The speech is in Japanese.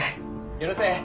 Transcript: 許せ。